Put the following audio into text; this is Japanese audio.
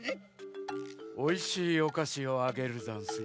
おいしいおかしをあげるざんすよ。